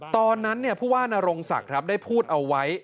ตอนนั้นผู้ว่านรงศักดิ์ได้พูดเอาไว้